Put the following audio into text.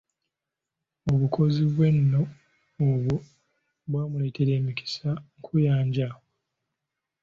Obukozi bwe nno obwo, bwamuleetera emikisa nkuyanja.